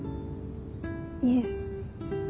いえ。